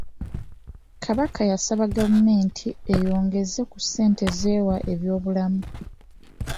Kabaka yasaba gavumenti eyongeze ku ssente z'ewa eby'obulamu.